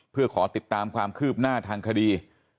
เพื่อขอติดตามความคืบหน้าทางคดี